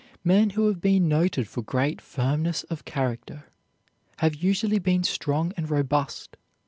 Men who have been noted for great firmness of character have usually been strong and robust.